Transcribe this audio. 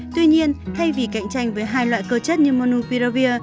tuy nhiên thay vì cạnh tranh với hai loại cơ chất như monopiravir